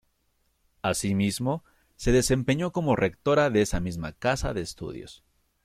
Asimismo, se desempeñó como Rectora de esa misma casa de estudios.